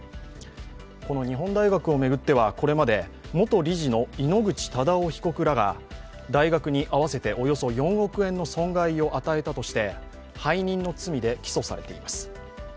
この日本大学を巡っては、これまで元理事の井ノ口忠男被告らが大学に合わせておよそ４億円の損害を与えたとして背任の罪で起訴されています。